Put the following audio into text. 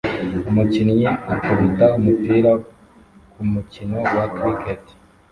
Umukinnyi akubita umupira kumukino wa cricket